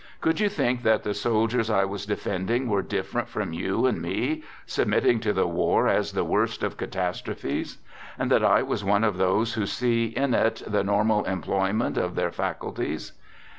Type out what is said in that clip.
Could you think that the soldiers I was defending were different from you and me, submitting to the war as the worst of catastrophes; and that I was one of those who see in it the normal employment of their faculties?